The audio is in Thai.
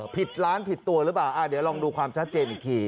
ผิดล้านผิดตัวหรือเปล่าเดี๋ยวลองดูความชัดเจนอีกที